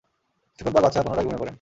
কিছুক্ষণ পর বাদশাহ পুনরায় ঘুমিয়ে পড়েন।